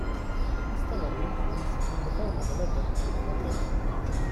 "Epistolary" means "in the form of a letter or letters".